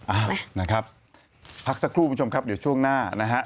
เอาล่ะนะครับพักสักครู่คุณผู้ชมครับเดี๋ยวช่วงหน้านะฮะ